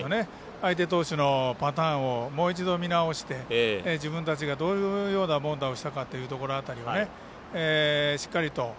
相手投手のパターンをもう一度、見直して自分たちがどんなことをしたかという辺りをしっかりと。